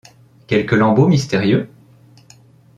Quelque lambeau mystérieux ?